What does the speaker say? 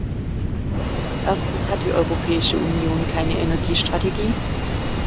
Erstens hat die Europäische Union keine Energiestrategie.